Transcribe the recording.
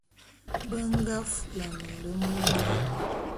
Be nga fulane nlem wua.